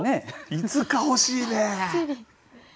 いつか欲しいね。